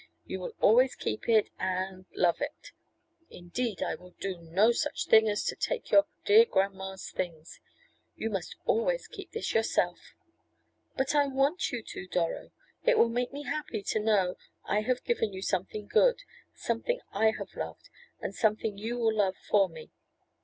You will always keep it and love it " "Indeed I will do no such thing as to take your dear grandma's things. You must always keep this yourself " "But I want you to, Doro. It will make me happy to know I have given you something good something I have loved, and something you will love for me.